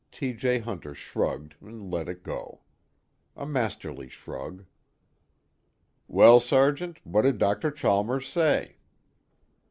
T. J. Hunter shrugged and let it go. A masterly shrug. "Well, Sergeant, what did Dr. Chalmers say?"